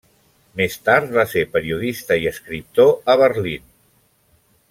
Més tard va ser periodista i escriptor a Berlín.